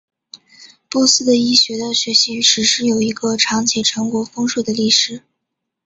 波斯的医学的学习与实施有一个长且成果丰硕的历史。